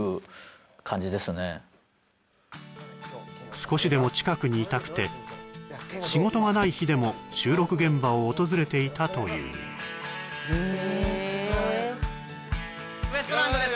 少しでも近くにいたくて仕事がない日でも収録現場を訪れていたというへええすごいウエストランドです